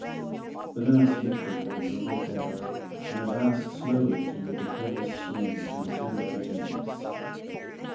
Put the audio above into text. The nurse lifted her noble head and advanced slowly toward the canvas screen to return to her duties.